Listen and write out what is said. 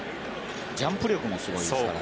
ジャンプ力もすごいですからね。